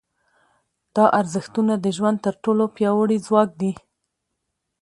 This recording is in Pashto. دا ارزښتونه د ژوند تر ټولو پیاوړي ځواک دي.